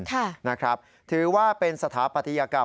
ค่ะนะครับถือว่าเป็นสถาปัตยกรรม